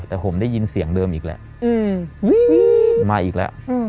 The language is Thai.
แต่ผมได้ยินเสียงเดิมอีกแล้วมาอีกแล้ว